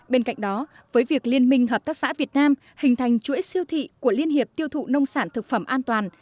bên cạnh đó với việc liên minh hợp tác xã việt nam hình thành chuỗi siêu thị của liên hiệp tiêu thụ nông sản thực phẩm an toàn